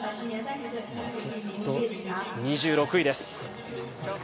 ２６位です。